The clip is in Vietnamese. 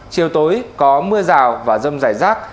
chiều tối có mưa rào và rông dài rác